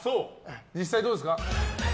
実際どうですか？